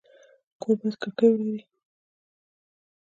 کور باید کړکۍ ولري